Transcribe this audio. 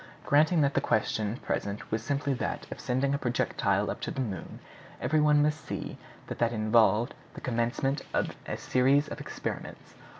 Granting that the question at present was simply that of sending a projectile up to the moon, every one must see that that involved the commencement of a series of experiments.